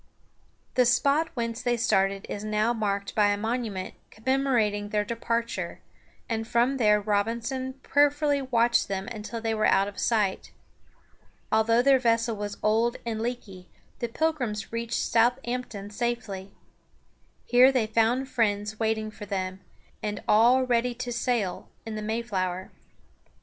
The spot whence they started is now marked by a monument commemorating their departure, and from there Robinson prayerfully watched them until they were out of sight. Although their vessel was old and leaky, the Pilgrims reached South amp´ton safely. Here they found friends waiting for them, and all ready to sail in the Mayflower.